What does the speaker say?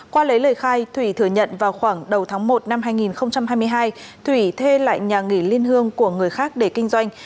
qua lấy lời khai thủy thừa nhận vào khoảng đầu tháng một năm hai nghìn hai mươi hai thủy thuê lại nhà nghỉ liên hương của người khác để kinh doanh